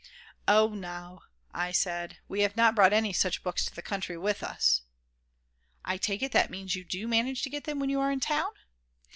"Oh no," said I, "we have not brought any such books to the country with us." "I take it that means that you do manage to get them when you are in town?"